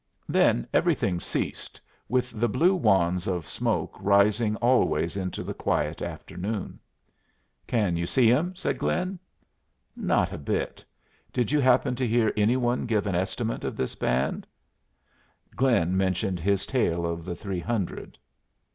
Then everything ceased, with the blue wands of smoke rising always into the quiet afternoon. "Can you see 'em?" said Glynn. "Not a bit. Did you happen to hear any one give an estimate of this band?" Glynn mentioned his tale of the three hundred.